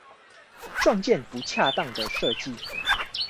撞見不恰當的設計